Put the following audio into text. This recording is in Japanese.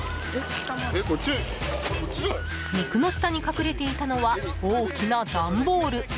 肉の下に隠れていたのは大きな段ボール。